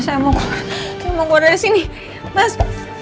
saya mau keluar dari sini mas